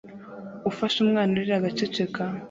ufashe umwana urira agaceceka